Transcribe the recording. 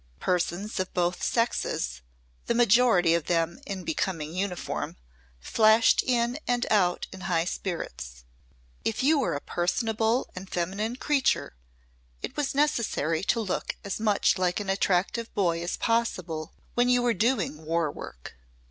Persons of both sexes, the majority of them in becoming uniform, flashed in and out in high spirits. If you were a personable and feminine creature, it was necessary to look as much like an attractive boy as possible when you were doing War Work.